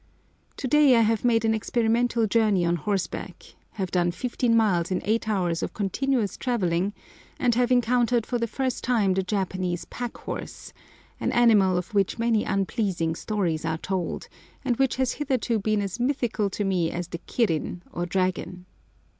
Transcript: TO DAY I have made an experimental journey on horseback, have done fifteen miles in eight hours of continuous travelling, and have encountered for the first time the Japanese pack horse—an animal of which many unpleasing stories are told, and which has hitherto been as mythical to me as the kirin, or dragon.